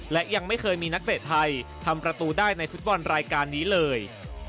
และยังไม่เคยมีนักเตะไทยทำประตูได้ในฟุตบอลรายการนี้เลย